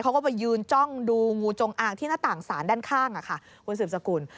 เขาก็ไปยืนจ้องดูงูจงอางที่หน้าต่างสารด้านข้างคุณสืบสกุล